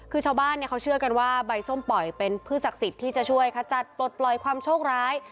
คือชาวบ้านเขาเชื่อกันว่าใบส้มปล่อยเป็นพืชศักดิ์สิทธิ์ที่จะช่วยขจัดปลดปล่อยความโชคร้าย